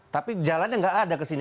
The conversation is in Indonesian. tapi jalannya tidak ada kesini